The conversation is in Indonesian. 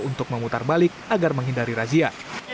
untuk memutar balik agar menghindari razia